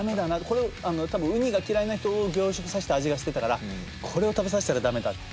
これ多分ウニが嫌いな人を凝縮さした味がしてたからこれを食べさせたら駄目だって。